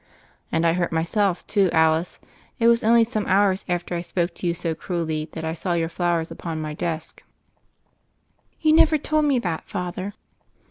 "And I hurt myself, too, Alice. It was only some hours after I spoke to you so cruelly that I saw your flowers upon my desk." "You never told me that. Father."